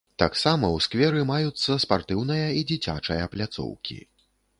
Таксама ў скверы маюцца спартыўная і дзіцячая пляцоўкі.